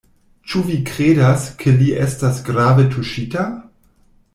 Ĉu vi kredas, ke li estas grave tuŝita?